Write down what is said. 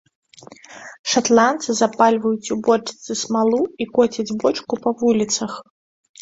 Шатландцы запальваюць у бочцы смалу і коцяць бочку па вуліцах.